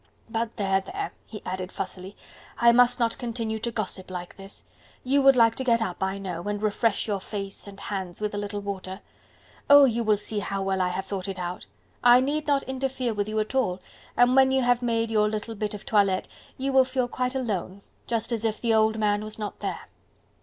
"But there, there," he added fussily, "I must not continue to gossip like this. You would like to get up, I know, and refresh your face and hands with a little water. Oh! you will see how well I have thought it out. I need not interfere with you at all, and when you make your little bit of toilette, you will feel quite alone... just as if the old man was not there."